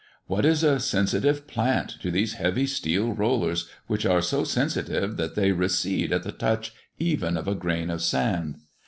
What is a sensitive plant to these heavy steel rollers, which are so sensitive that they recede at the touch even of a grain of sand!